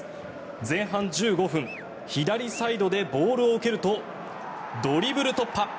前半１５分左サイドでボールを蹴るとドリブル突破。